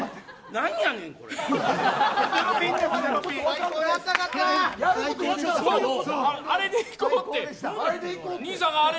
何やねん、これ。